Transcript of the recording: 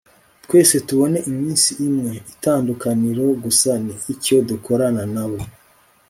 twese tubona iminsi imwe. itandukaniro gusa ni icyo dukorana nabo